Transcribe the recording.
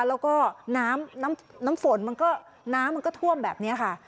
แล้วก็น้ำน้ำฝนมันก็น้ำมันก็ท่วมแบบนี้ค่ะ